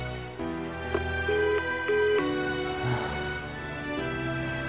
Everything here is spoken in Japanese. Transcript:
ああ。